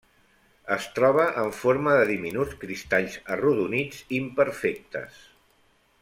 Es troba en forma de diminuts cristalls arrodonits imperfectes.